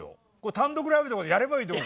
単独ライブとかでやればいいと思う。